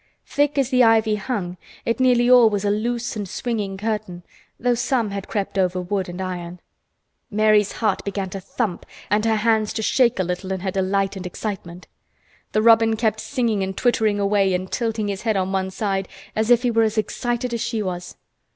Thick as the ivy hung, it nearly all was a loose and swinging curtain, though some had crept over wood and iron. Mary's heart began to thump and her hands to shake a little in her delight and excitement. The robin kept singing and twittering away and tilting his head on one side, as if he were as excited as she was.